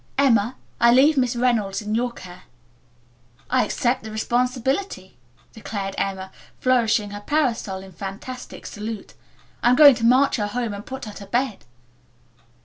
"Emma, I leave Miss Reynolds in your care." "I accept the responsibility," declared Emma, flourishing her parasol in fantastic salute. "I'm going to march her home and put her to bed."